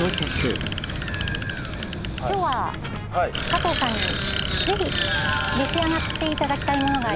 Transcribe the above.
今日は加藤さんにぜひ召し上がっていただきたいものがあります。